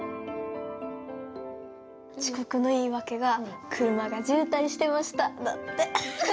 遅刻の言い訳が車が渋滞してました、だって。